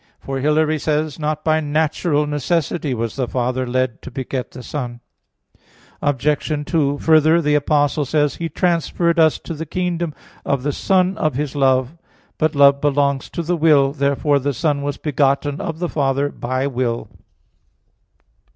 For Hilary says (De Synod.): "Not by natural necessity was the Father led to beget the Son." Obj. 2: Further, the Apostle says, "He transferred us to the kingdom of the Son of His love" (Col. 1:13). But love belongs to the will. Therefore the Son was begotten of the Father by will.